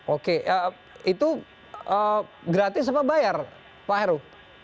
oke itu gratis apa bayar pak heru